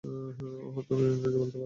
ওহ, তুমি ইংরেজি বলতে পারো।